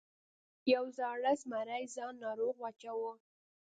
یو زاړه زمري ځان ناروغ واچاوه.